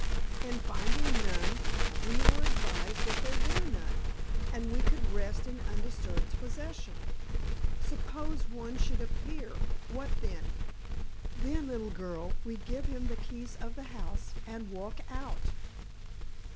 And, finding none, we were advised that there were none, and we could rest in undisturbed possession." "Suppose one should appear, what then?" "Then, little girl, we'd give him the keys of the house, and walk out."